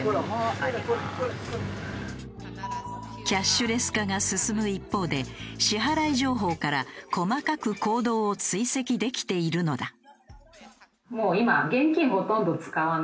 キャッシュレス化が進む一方で支払い情報から細かく行動を追跡できているのだ。